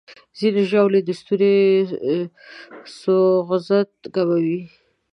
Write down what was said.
ځینې ژاولې د ستوني سوځښت کموي.